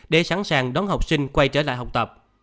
để sẵn sàng đón học sinh quay trở lại học tập